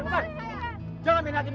jangan minat ini